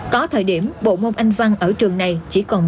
có thời điểm bộ môn anh văn ở trường này chỉ còn bốn người